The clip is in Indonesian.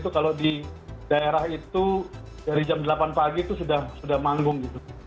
kalau di daerah itu dari jam delapan pagi itu sudah manggung gitu